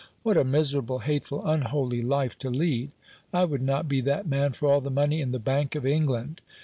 What a miserable, hateful, unholy life to lead! I would not be that man for all the money in the Bank of England.